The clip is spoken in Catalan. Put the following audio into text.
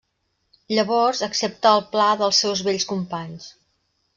Llavors, accepta el pla dels seus vells companys.